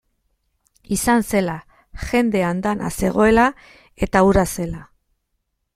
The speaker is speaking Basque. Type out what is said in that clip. Izan zela, jende andana zegoela eta hura zela.